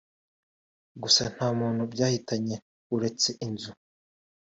gusa nta muntu byahitanye uretse inzu